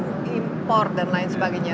barang baru import dan lain sebagainya